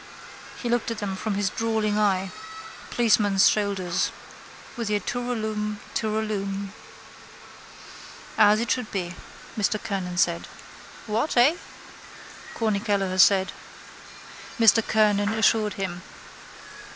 He looked on them from his drawling eye. Policeman's shoulders. With your tooraloom tooraloom. —As it should be, Mr Kernan said. —What? Eh? Corny Kelleher said. Mr Kernan assured him.